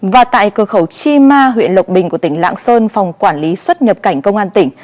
và tại cửa khẩu chi ma huyện lộc bình của tỉnh lạng sơn phòng quản lý xuất nhập cảnh công an tỉnh